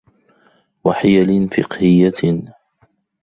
وَحِيَلٍ فِقْهِيَّةٍ